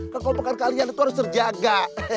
kekompakan kalian itu harus terjaga